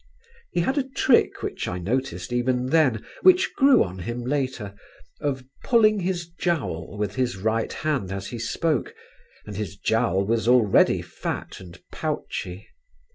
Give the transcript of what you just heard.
He had a trick which I noticed even then, which grew on him later, of pulling his jowl with his right hand as he spoke, and his jowl was already fat and pouchy.